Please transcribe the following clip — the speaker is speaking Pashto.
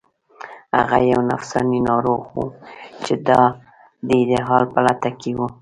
هغه یو نفسیاتي ناروغ و چې د ایډیال په لټه کې و